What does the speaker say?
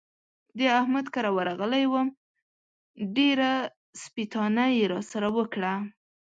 د احمد کره ورغلی وم؛ ډېره سپېتانه يې را سره وکړه.